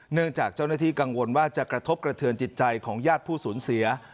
จากเจ้าหน้าที่กังวลว่าจะกระทบกระเทือนจิตใจของญาติผู้สูญเสีย